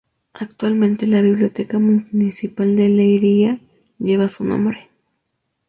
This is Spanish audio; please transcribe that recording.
Actualmente la Biblioteca Municipal de Leiria lleva su nombre.